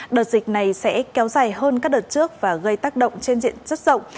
đợt dịch này sẽ kéo dài hơn các đợt trước và gây tác động trên diện rất rộng